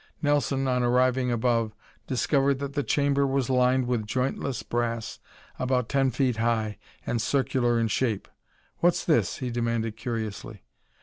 Nelson, on arriving above, discovered that the chamber was lined with jointless brass about ten feet high and circular in shape. "What's this?" he demanded curiously.